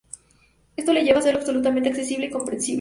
Esto le lleva a hacerlo absolutamente accesible y comprensible.